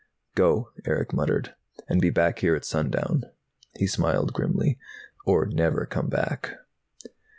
"Go," Erick muttered. "And be back here at sundown." He smiled grimly. "Or never come back."